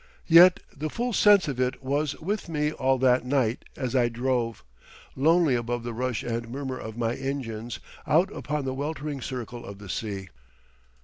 Yet the full sense of it was with me all that night as I drove, lonely above the rush and murmur of my engines, out upon the weltering circle of the sea.